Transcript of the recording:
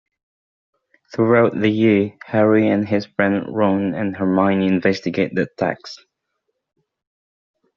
Throughout the year, Harry and his friends Ron and Hermione investigate the attacks.